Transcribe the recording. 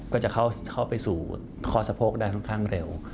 ก็จะเข้าไปสู่ข้อสะโพกได้ค่อนข้างเร็ว